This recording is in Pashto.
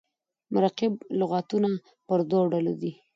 مرکب لغاتونه پر دوه ډوله دي.